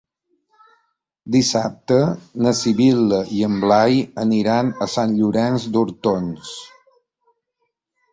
Dissabte na Sibil·la i en Blai aniran a Sant Llorenç d'Hortons.